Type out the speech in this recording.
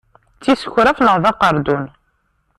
D tisukraf naɣ d aqerdun.